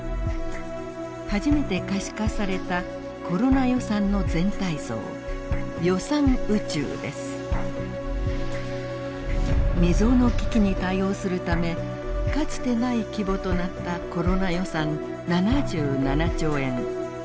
初めて可視化されたコロナ予算の全体像未曽有の危機に対応するためかつてない規模となったコロナ予算７７兆円。